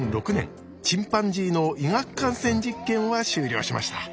チンパンジーの医学感染実験は終了しました。